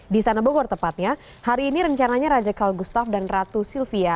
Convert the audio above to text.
di sana bogor tepatnya hari ini rencananya raja karl gustav dan ratu sylvia